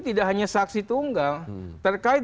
tidak hanya saksi tunggal terkait